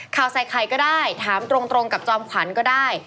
ข่าวใส่ไข่ก็ได้ถามตรงกับจอมขวัญก็ได้